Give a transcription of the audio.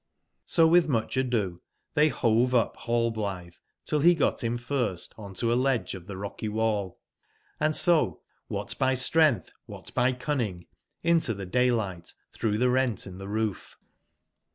So witb mucb ado tbey bove up Rall blitbe till be got bim first on to a ledge of tbe rocky wall, and so, wbat by strengtb, wbat by cunning, into tbe dayligbt tbrougb tbe rent in tbe roof.